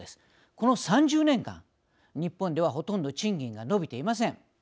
この３０年間、日本ではほとんど賃金が伸びていません。